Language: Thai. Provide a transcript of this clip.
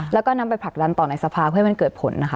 แล้วก็นำไปผลักดันต่อในสภาเพื่อให้มันเกิดผลนะคะ